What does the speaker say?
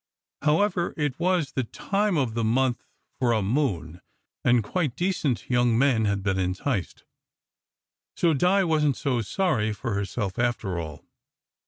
However, it was the time of the month for a moon, and quite decent young men had been enticed; so Di wasn t so very sorry for SECRET HISTORY 7 herself after all.